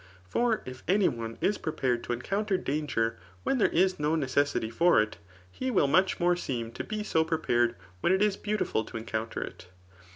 For if any one is pre* pared to encounter danger when there is no necessity for it, he will much more seem to be fik> prepared where it is beaudfiil to ekxcouoter it.